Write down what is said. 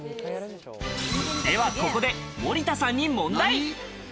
ではここで、森田さんに問題。